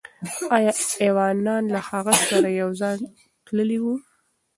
آیا ایوانان له هغه سره یو ځای تللي وو؟